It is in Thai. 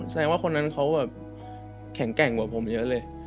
แสดงว่าคนนั้นเขาแบบแข็งแกร่งกว่าผมเยอะเลย